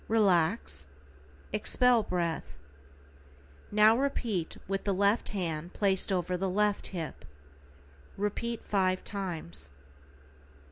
Relax, expel breath. Now repeat with the left hand placed over the left hip. Repeat 5 times.